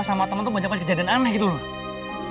sama temen tuh banyak kejadian aneh gitu loh